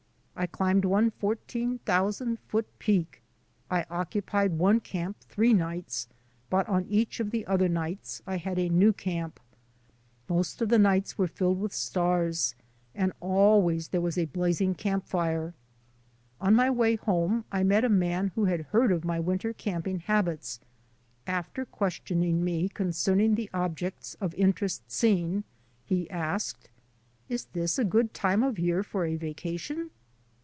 I climbed one fourteen thousand foot peak. I occupied one camp three nights, but on each of the other nights I had a new camp. Most of the nights were filled with stars, and always there was the blazing camp fire. On my way home I met a man who had heard of my winter camping habits. After questioning me concerning the ob jects of interest seen, he asked: "Is this a good time of year for a vacation